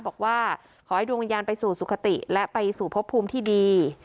บอกว่าขอให้ดวงวิญญาณไปสู่สุขติและไปสู่พบภูมิที่ดี